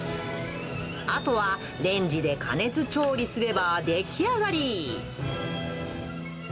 あとはレンジで加熱調理すれば出来上がり。